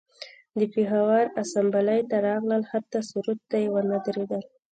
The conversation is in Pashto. و د پیښور اسامبلۍ ته راغلل حتی سرود ته یې ونه دریدل